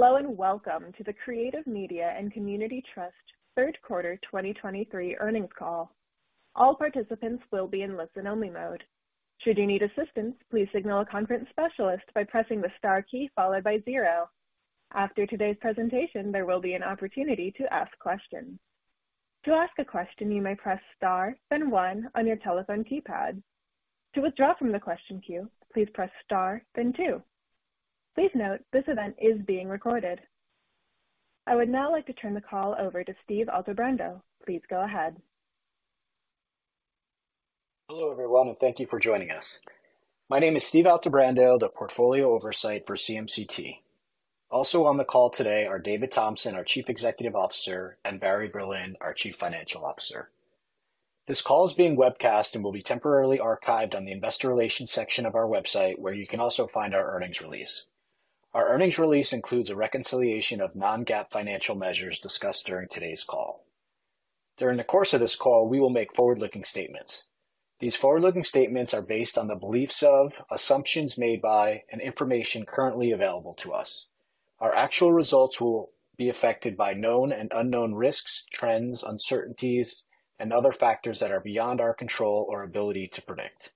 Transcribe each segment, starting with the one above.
Hello, and welcome to the Creative Media and Community Trust third quarter 2023 earnings call. All participants will be in listen-only mode. Should you need assistance, please signal a conference specialist by pressing the star key followed by zero. After today's presentation, there will be an opportunity to ask questions. To ask a question, you may press star, then one on your telephone keypad. To withdraw from the question queue, please press star, then two. Please note, this event is being recorded. I would now like to turn the call over to Steve Altebrando. Please go ahead. Hello, everyone, and thank you for joining us. My name is Steve Altebrando, the Portfolio Oversight for CMCT. Also on the call today are David Thompson, our Chief Executive Officer, and Barry Berlin, our Chief Financial Officer. This call is being webcast and will be temporarily archived on the investor relations section of our website, where you can also find our earnings release. Our earnings release includes a reconciliation of non-GAAP financial measures discussed during today's call. During the course of this call, we will make forward-looking statements. These forward-looking statements are based on the beliefs of, assumptions made by, and information currently available to us. Our actual results will be affected by known and unknown risks, trends, uncertainties, and other factors that are beyond our control or ability to predict.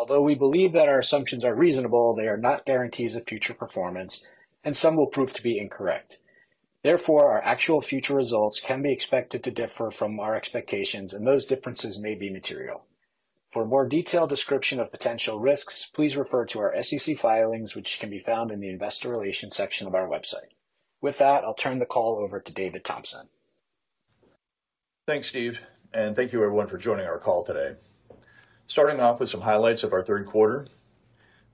Although we believe that our assumptions are reasonable, they are not guarantees of future performance, and some will prove to be incorrect. Therefore, our actual future results can be expected to differ from our expectations, and those differences may be material. For a more detailed description of potential risks, please refer to our SEC filings, which can be found in the Investor Relations section of our website. With that, I'll turn the call over to David Thompson. Thanks, Steve, and thank you everyone for joining our call today. Starting off with some highlights of our third quarter.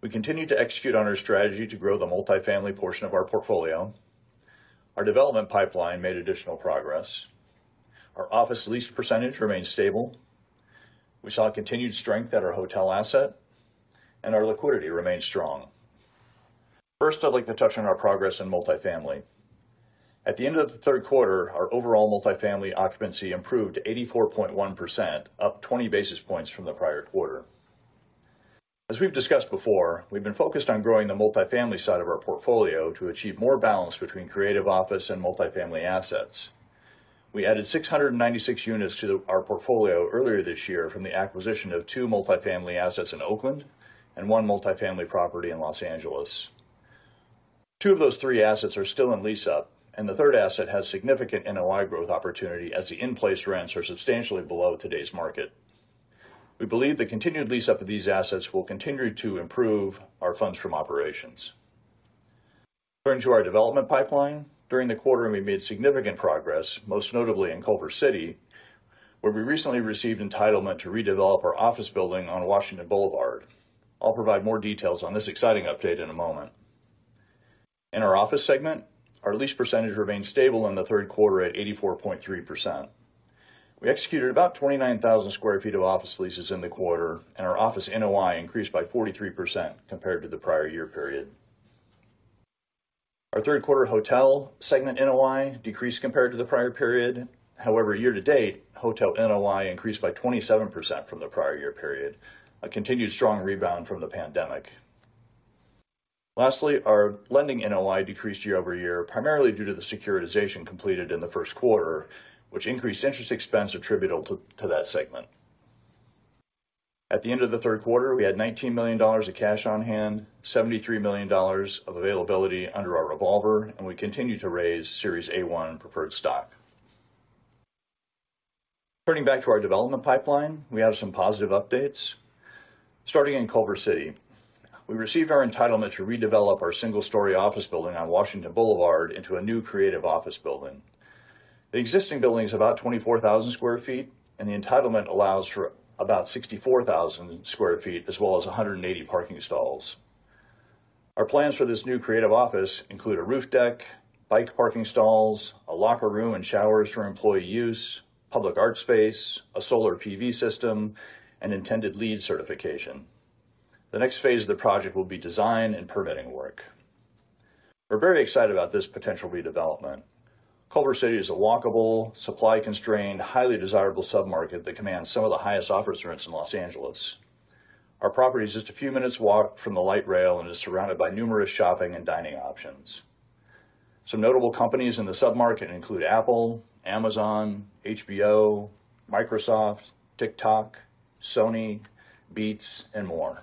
We continued to execute on our strategy to grow the multifamily portion of our portfolio. Our development pipeline made additional progress. Our office lease percentage remained stable. We saw a continued strength at our hotel asset, and our liquidity remained strong. First, I'd like to touch on our progress in multifamily. At the end of the third quarter, our overall multifamily occupancy improved to 84.1%, up 20 basis points from the prior quarter. As we've discussed before, we've been focused on growing the multifamily side of our portfolio to achieve more balance between creative office and multifamily assets. We added 696 units to our portfolio earlier this year from the acquisition of two multifamily assets in Oakland and one multifamily property in Los Angeles. Two of those three assets are still in lease-up, and the third asset has significant NOI growth opportunity as the in-place rents are substantially below today's market. We believe the continued lease-up of these assets will continue to improve our funds from operations. Turning to our development pipeline. During the quarter, we made significant progress, most notably in Culver City, where we recently received entitlement to redevelop our office building on Washington Boulevard. I'll provide more details on this exciting update in a moment. In our office segment, our lease percentage remained stable in the third quarter at 84.3%. We executed about 29,000 sq ft of office leases in the quarter, and our office NOI increased by 43% compared to the prior year period. Our third quarter hotel segment NOI decreased compared to the prior period. However, year to date, hotel NOI increased by 27% from the prior year period, a continued strong rebound from the pandemic. Lastly, our lending NOI decreased year-over-year, primarily due to the securitization completed in the first quarter, which increased interest expense attributable to that segment. At the end of the third quarter, we had $19 million of cash on hand, $73 million of availability under our revolver, and we continued to raise Series A-1 preferred stock. Turning back to our development pipeline, we have some positive updates. Starting in Culver City, we received our entitlement to redevelop our single-story office building on Washington Boulevard into a new creative office building. The existing building is about 24,000 sq ft, and the entitlement allows for about 64,000 sq ft, as well as 180 parking stalls. Our plans for this new creative office include a roof deck, bike parking stalls, a locker room and showers for employee use, public art space, a solar PV system, and intended LEED certification. The next phase of the project will be design and permitting work. We're very excited about this potential redevelopment. Culver City is a walkable, supply-constrained, highly desirable submarket that commands some of the highest office rents in Los Angeles. Our property is just a few minutes walk from the light rail and is surrounded by numerous shopping and dining options. Some notable companies in the submarket include Apple, Amazon, HBO, Microsoft, TikTok, Sony, Beats, and more.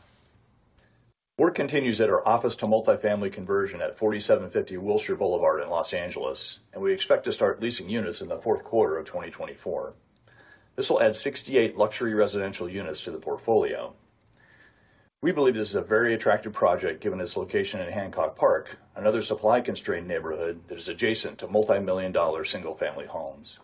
Work continues at our office to multifamily conversion at 4750 Wilshire Boulevard in Los Angeles, and we expect to start leasing units in the fourth quarter of 2024. This will add 68 luxury residential units to the portfolio. We believe this is a very attractive project, given its location in Hancock Park, another supply-constrained neighborhood that is adjacent to multimillion-dollar single-family homes.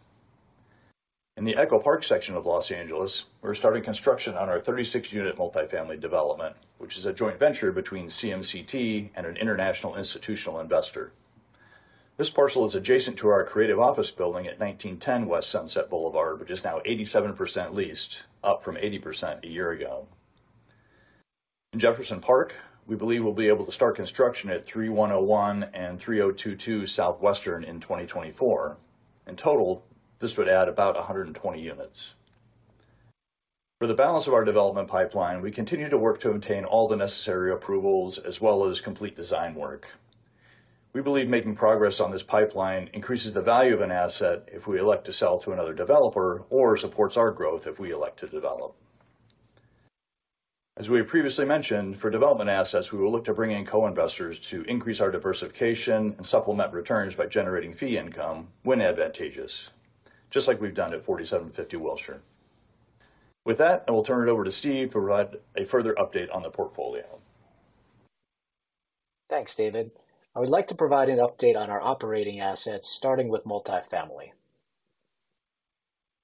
In the Echo Park section of Los Angeles, we're starting construction on our 36-unit multifamily development, which is a joint venture between CMCT and an international institutional investor. This parcel is adjacent to our creative office building at 1910 West Sunset Boulevard, which is now 87% leased, up from 80% a year ago. In Jefferson Park, we believe we'll be able to start construction at 3101 and 3022 Southwestern in 2024. In total, this would add about 120 units. For the balance of our development pipeline, we continue to work to obtain all the necessary approvals as well as complete design work. We believe making progress on this pipeline increases the value of an asset if we elect to sell to another developer, or supports our growth if we elect to develop. As we have previously mentioned, for development assets, we will look to bring in co-investors to increase our diversification and supplement returns by generating fee income when advantageous, just like we've done at 4750 Wilshire. With that, I will turn it over to Steve to provide a further update on the portfolio. Thanks, David. I would like to provide an update on our operating assets, starting with multifamily.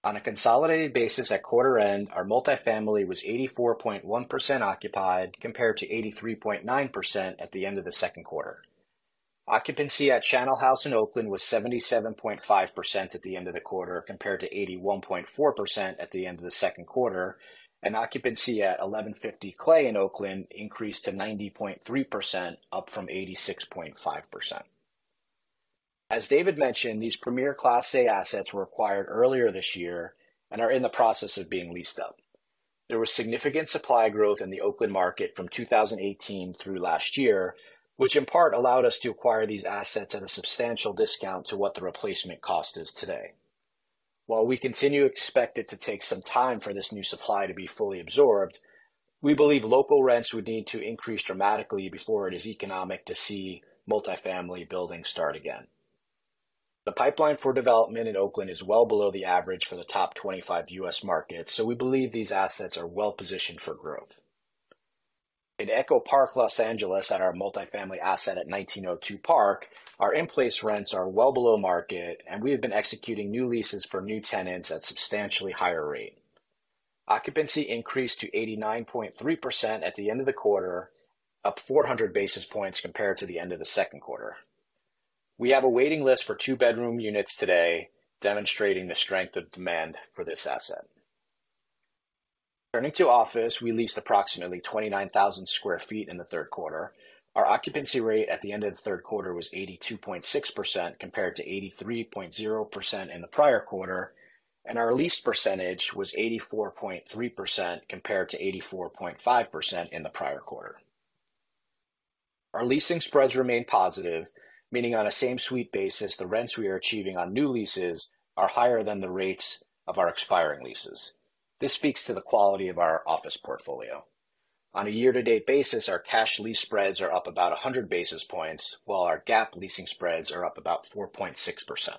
On a consolidated basis at quarter end, our multifamily was 84.1% occupied, compared to 83.9% at the end of the second quarter. Occupancy at Channel House in Oakland was 77.5% at the end of the quarter, compared to 81.4% at the end of the second quarter, and occupancy at 1150 Clay in Oakland increased to 90.3%, up from 86.5%. As David mentioned, these premier Class A assets were acquired earlier this year and are in the process of being leased up. There was significant supply growth in the Oakland market from 2018 through last year, which in part allowed us to acquire these assets at a substantial discount to what the replacement cost is today. While we continue to expect it to take some time for this new supply to be fully absorbed, we believe local rents would need to increase dramatically before it is economic to see multifamily buildings start again. The pipeline for development in Oakland is well below the average for the top 25 U.S. markets, so we believe these assets are well positioned for growth. In Echo Park, Los Angeles, at our multifamily asset at 1902 Park, our in-place rents are well below market, and we have been executing new leases for new tenants at substantially higher rate. Occupancy increased to 89.3% at the end of the quarter, up 400 basis points compared to the end of the second quarter. We have a waiting list for two-bedroom units today, demonstrating the strength of demand for this asset. Turning to office, we leased approximately 29,000 sq ft in the third quarter. Our occupancy rate at the end of the third quarter was 82.6%, compared to 83.0% in the prior quarter, and our leased percentage was 84.3%, compared to 84.5% in the prior quarter. Our leasing spreads remain positive, meaning on a same suite basis, the rents we are achieving on new leases are higher than the rates of our expiring leases. This speaks to the quality of our office portfolio. On a year-to-date basis, our cash lease spreads are up about 100 basis points, while our GAAP leasing spreads are up about 4.6%.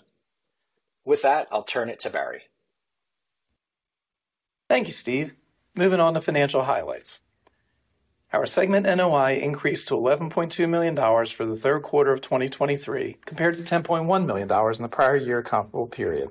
With that, I'll turn it to Barry. Thank you, Steve. Moving on to financial highlights. Our segment NOI increased to $11.2 million for the third quarter of 2023, compared to $10.1 million in the prior year comparable period.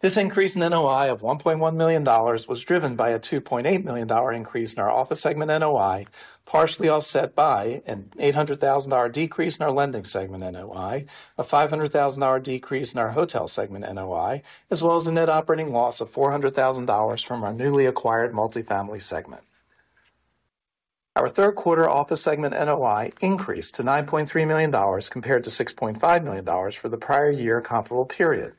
This increase in NOI of $1.1 million was driven by a $2.8 million increase in our office segment NOI, partially offset by an $800,000 decrease in our lending segment NOI, a $500,000 decrease in our hotel segment NOI, as well as a net operating loss of $400,000 from our newly acquired multifamily segment. Our third quarter office segment NOI increased to $9.3 million, compared to $6.5 million for the prior year comparable period.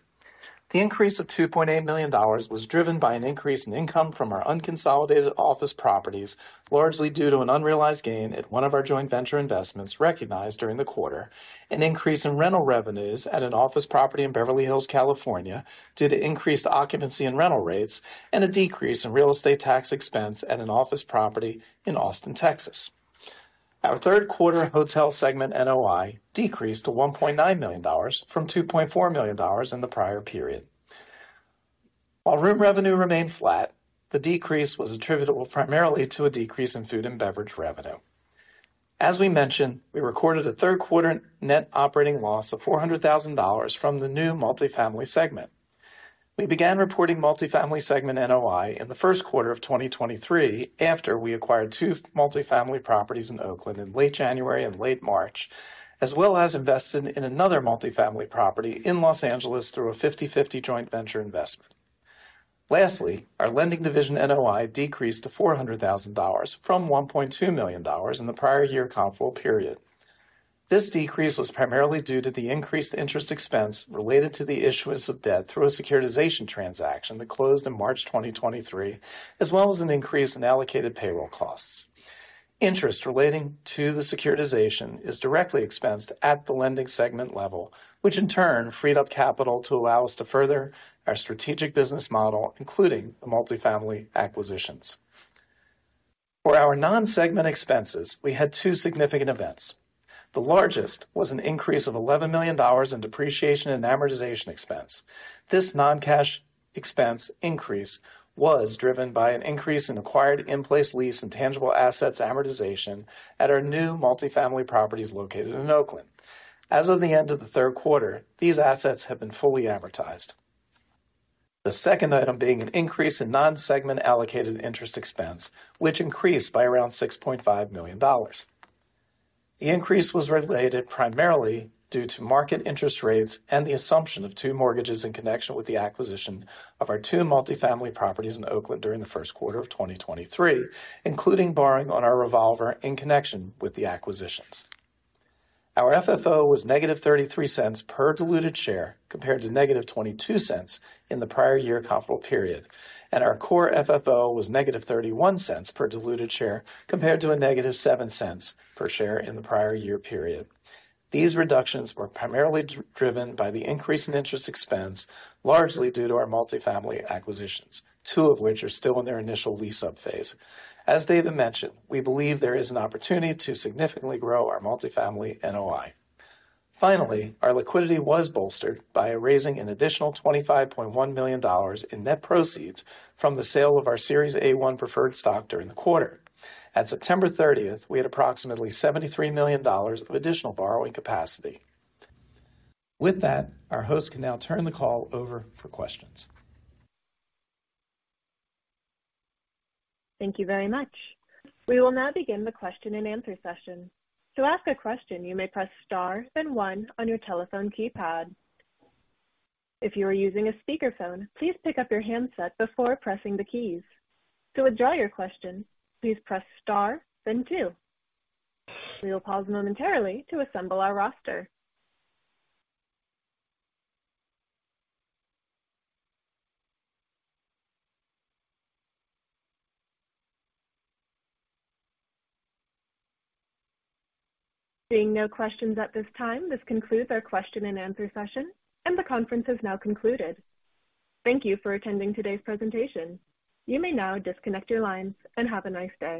The increase of $2.8 million was driven by an increase in income from our unconsolidated office properties, largely due to an unrealized gain at one of our joint venture investments recognized during the quarter, an increase in rental revenues at an office property in Beverly Hills, California, due to increased occupancy and rental rates, and a decrease in real estate tax expense at an office property in Austin, Texas. Our third quarter hotel segment NOI decreased to $1.9 million from $2.4 million in the prior period. While room revenue remained flat, the decrease was attributable primarily to a decrease in food and beverage revenue. As we mentioned, we recorded a third quarter net operating loss of $400,000 from the new multifamily segment. We began reporting multifamily segment NOI in the first quarter of 2023 after we acquired 2 multifamily properties in Oakland in late January and late March, as well as invested in another multifamily property in Los Angeles through a 50/50 joint venture investment. Lastly, our lending division NOI decreased to $400,000 from $1.2 million in the prior year comparable period. This decrease was primarily due to the increased interest expense related to the issuance of debt through a securitization transaction that closed in March 2023, as well as an increase in allocated payroll costs. Interest relating to the securitization is directly expensed at the lending segment level, which in turn freed up capital to allow us to further our strategic business model, including the multifamily acquisitions. For our non-segment expenses, we had two significant events. The largest was an increase of $11 million in depreciation and amortization expense. This non-cash expense increase was driven by an increase in acquired in-place lease and tangible assets amortization at our new multifamily properties located in Oakland. As of the end of the third quarter, these assets have been fully amortized. The second item being an increase in non-segment allocated interest expense, which increased by around $6.5 million. The increase was related primarily due to market interest rates and the assumption of two mortgages in connection with the acquisition of our two multifamily properties in Oakland during the first quarter of 2023, including borrowing on our revolver in connection with the acquisitions. Our FFO was -$0.33 per diluted share, compared to -$0.22 in the prior year comparable period, and our core FFO was -$0.31 per diluted share, compared to -$0.07 per share in the prior year period. These reductions were primarily driven by the increase in interest expense, largely due to our multifamily acquisitions, two of which are still in their initial lease-up phase. As David mentioned, we believe there is an opportunity to significantly grow our multifamily NOI. Finally, our liquidity was bolstered by raising an additional $25.1 million in net proceeds from the sale of our Series A-1 preferred stock during the quarter. At September 30, we had approximately $73 million of additional borrowing capacity. With that, our host can now turn the call over for questions. Thank you very much. We will now begin the question and answer session. To ask a question, you may press star then one on your telephone keypad. If you are using a speakerphone, please pick up your handset before pressing the keys. To withdraw your question, please press star then two. We will pause momentarily to assemble our roster. Seeing no questions at this time, this concludes our question and answer session, and the conference has now concluded. Thank you for attending today's presentation. You may now disconnect your lines, and have a nice day.